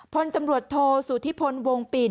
พลตำรวจโทสุธิพลวงปิ่น